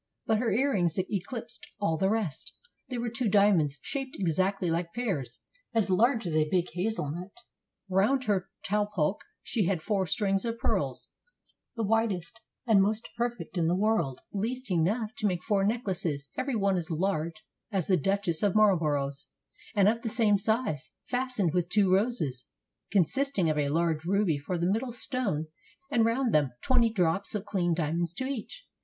But her earrings eclipsed all the rest. They were two dia monds, shaped exactly like pears, as large as a big hazel nut. Round her talpoche she had four strings of pearl, the whitest and most perfect in the world, at least enough to make four necklaces, every one as large as the Duchess of Marlborough's, and of the same size, fas tened with two roses, consisting of a large ruby for the middle stone, and round them twenty drops of clean diamonds to each.